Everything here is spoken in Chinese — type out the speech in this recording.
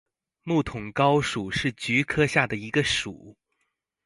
木筒篙属是菊科下的一个属。